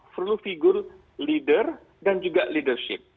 perlu figure leader dan juga leadership